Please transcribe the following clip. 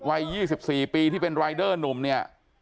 วัย๒๔ปีที่เป็นรายเดอร์หนุ่มเนี่ย